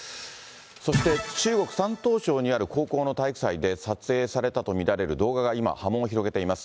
そして、中国・山東省にある高校の体育祭で撮影されたと見られる動画が今、波紋を広げています。